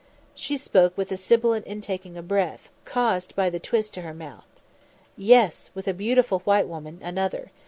She spoke with a sibilant intaking of breath, caused by the twist to her mouth. "Yes; with a beautiful white woman another.